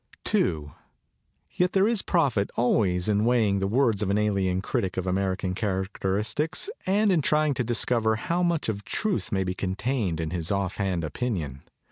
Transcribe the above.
II YET there is profit always in weighing the words of an alien critic of American character istics and in trying to discover how much of CONCERNING CONVERSATION truth may be contained in his off hand opinion.